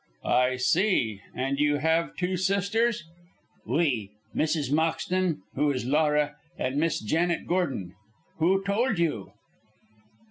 "I see. And you have two sisters?" "Oui! Mrs. Moxton, who is Laura, and Miss Janet Gordon. Who told you?"